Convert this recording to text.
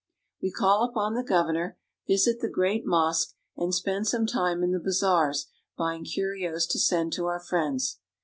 We call upon the governor, visit the great mosque, and spend some time in the bazaars buying curios to send to our friends.